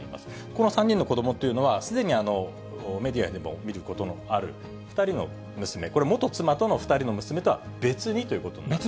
この３人の子どもというのは、すでにメディアでも見ることのある２人の娘、これ元妻との２人の娘とは別にということになります。